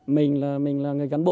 mình là người gắn bộ